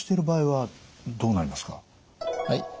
はい。